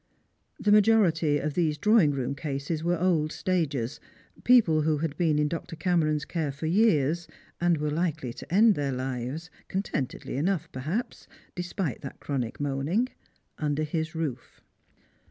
The majority of these drawing room cases were old stagers, people who had been in Dr. Cameron's care for years, and were likely to end their lives, contentedly enough, perhaps, despite that chronic moaning, under his roof.